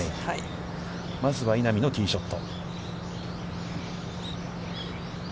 まずは稲見のティーショット。